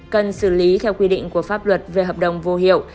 cần xử lý theo quy định của pháp luật về hợp đồng vô hiệu